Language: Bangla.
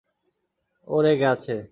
ও রেগে আছে।